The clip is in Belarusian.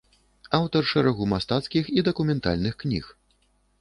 Аўтар шэрагу мастацкіх і дакументальных кніг.